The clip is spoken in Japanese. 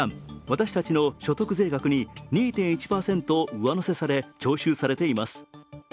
私たちの所得税額に２．１％上乗せされ、徴収されています。